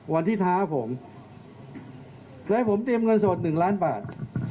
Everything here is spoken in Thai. วันที่ท้าผมและผมเตรียมเงินสด๑ล้านบาท